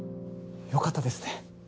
良かったですね。